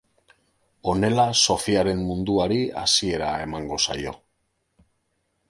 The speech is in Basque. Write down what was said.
Honela Sofiaren munduari hasiera emango zaio.